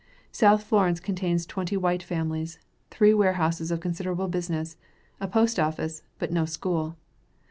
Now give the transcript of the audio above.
South Florence contains twenty white families, three warehouses of considerable business, a post office, but no school.